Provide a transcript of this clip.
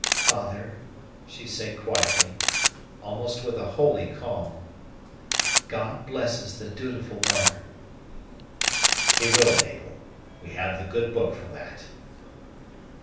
"Father," she said quietly, almost with a holy calm, "God blesses the dutiful daughter." "He will, Mabel; we have the Good Book for that."